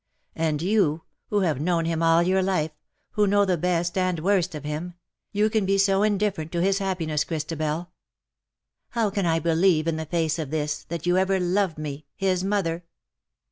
And you, who have known him all your life — who know the best and worst of him — you can be so indifferent to his happiness, Christabel. How can I believe, in the face of this, that you ever loved me, his mother